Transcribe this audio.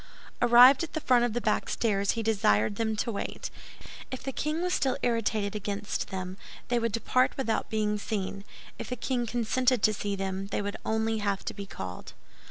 Arrived at the foot of the back stairs, he desired them to wait. If the king was still irritated against them, they would depart without being seen; if the king consented to see them, they would only have to be called.